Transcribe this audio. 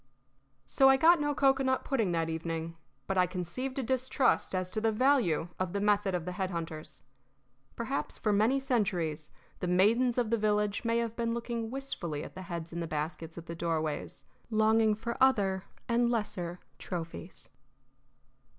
So I got no cocoanut pudding that evening, but I conceived a distrust as to the value of the method of the head hunters. Perhaps for many centuries the maidens of the villages may have been looking wistfully at the heads in the baskets at the doorways, longing for other and lesser trophies.